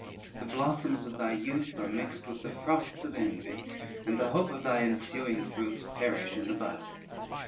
The blossoms of thy youth are mixed with the frosts of envy, and the hope of thy ensuing fruits perish in the bud.